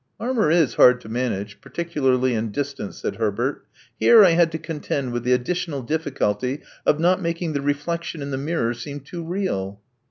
'* Armor is hard to manage, particularly in distance, '' said Herbert. Here I had to contend with the additional difl&culty of not making the reflexion in the mirror seem too real."